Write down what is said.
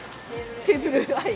テーブル、はい。